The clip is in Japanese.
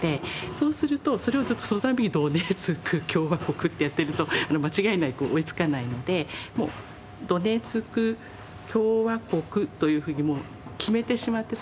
そうするとそれをずっとその度にドネツク共和国ってやってると間違いなく追いつかないのでドネツク共和国というふうにもう決めてしまって。